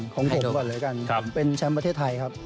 ของผมก่อนเลยกันเป็นแชมป์ประเทศไทยครับ